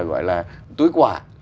gọi là túi quả